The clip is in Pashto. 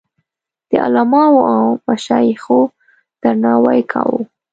د علماوو او مشایخو درناوی کاوه.